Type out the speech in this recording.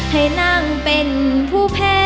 ให้นั่งเป็นผู้แพ้